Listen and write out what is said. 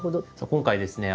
今回ですね